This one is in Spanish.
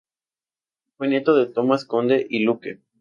Fue nieto de Tomas Conde y Luque.